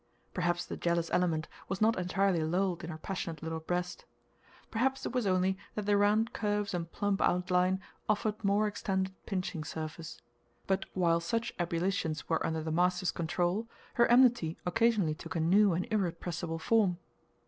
Perhaps the jealous element was not entirely lulled in her passionate little breast. Perhaps it was only that the round curves and plump outline offered more extended pinching surface. But while such ebullitions were under the master's control, her enmity occasionally took a new and irrepressible form.